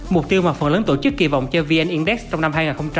mục tiêu mà phần lớn tổ chức kỳ vọng cho vn index trong năm hai nghìn hai mươi